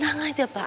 tunggu dulu kak